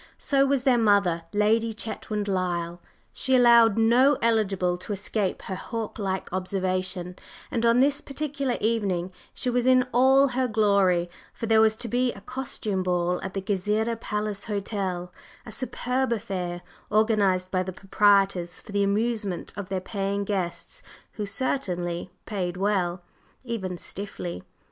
So was their mother, Lady Chetwynd Lyle; she allowed no "eligible" to escape her hawk like observation, and on this particular evening she was in all her glory, for there was to be a costume ball at the Gezireh Palace Hotel, a superb affair, organized by the proprietors for the amusement of their paying guests, who certainly paid well, even stiffly.